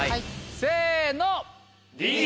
せの。